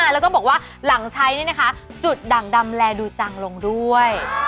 แล้วก็บอกว่าหลังใช้นี่นะคะจุดดั่งดำแลดูจังลงด้วย